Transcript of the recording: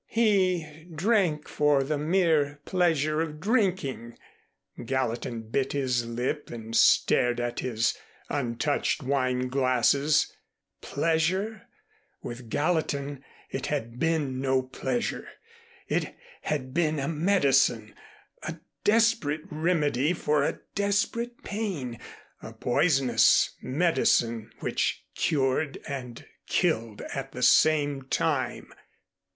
He drank for the mere pleasure of drinking. Gallatin bit his lip and stared at his untouched wine glasses. Pleasure? With Gallatin it had been no pleasure. It had been a medicine, a desperate remedy for a desperate pain, a poisonous medicine which cured and killed at the same time.